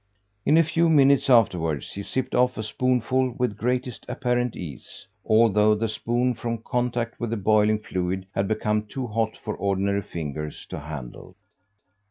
In a few minutes afterwards, he sipped off a spoonful with greatest apparent ease, although the spoon, from contact with the boiling fluid, had become too hot for ordinary fingers to handle.